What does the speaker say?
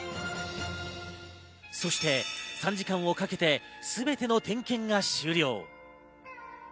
そして３時間をかけて全ての点検が終了。